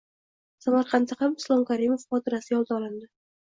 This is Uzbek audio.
Samarqandda ham Islom Karimov xotirasi yod olindi.